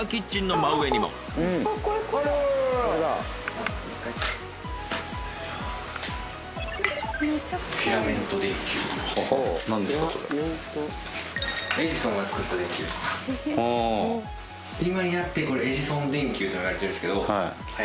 今になってこれエジソン電球って言われてるんですけど。